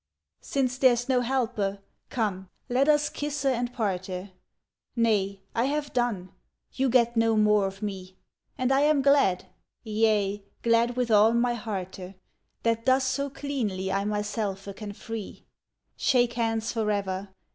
Since there's no helpe, come, let us kisse and parte, Nay, I have done, you get no more of me; And I am glad, yea, glad with all my hearte, That thus so cleanly I myselfe can free. Shake hands forever!